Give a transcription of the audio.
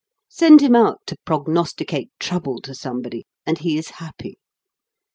Send him out to prognosticate trouble to somebody, and he is happy.